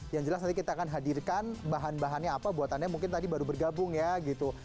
yang jelas nanti kita akan hadirkan bahan bahannya apa buatannya mungkin tadi baru bergabung ya gitu